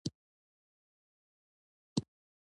له تيارې سره ليرې په دښته کې سرې رڼاوې بلې شوې.